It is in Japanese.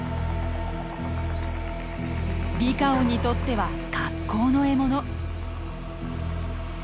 リカオンにとっては格好の獲物。